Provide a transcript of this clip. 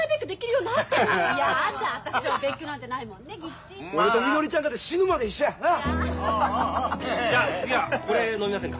よしじゃあ次はこれ飲みませんか？